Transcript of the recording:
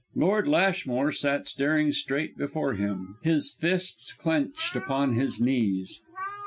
Lord Lashmore sat staring straight before him, his fists clenched upon his knees.